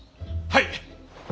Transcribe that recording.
はい。